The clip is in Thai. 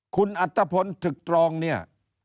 คุณอัตภพลถึกตรองเนี่ย